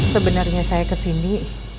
sebenarnya saya kesini